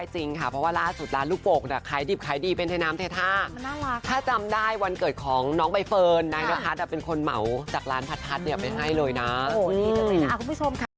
จริงสุดท้ายแล้วของานของเงินดีกว่ายังไงเราได้ชัวร์